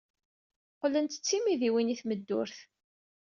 Qqlent d timidiwin i tmeddurt.